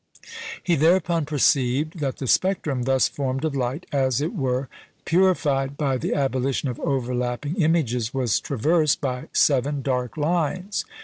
He thereupon perceived that the spectrum, thus formed of light, as it were, purified by the abolition of overlapping images, was traversed by seven dark lines.